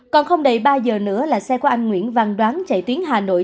còn không đầy ba giờ nữa là xe của anh nguyễn văn đoán chạy tuyến hà nội